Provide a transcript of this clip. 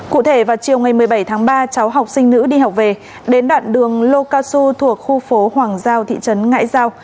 cụ thể vào chiều ngày một mươi bảy tháng ba cháu học sinh nữ đi học về đến đoạn đường lô cao su thuộc khu phố hoàng giao thị trấn ngãi giao